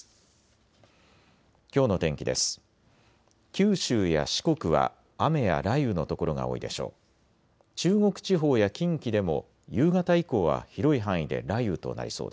九州や四国は雨や雷雨の所が多いでしょう。